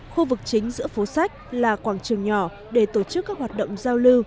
khu vực chính giữa phố sách là quảng trường nhỏ để tổ chức các hoạt động giao lưu